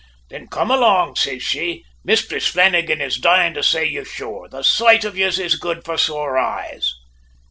"`Thin come along,' says she. `Mistress Flannagan is dyin' to say you, sure. The soight of yez is good for sore eyes!'